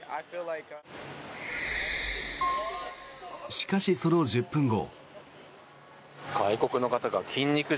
しかし、その１０分後。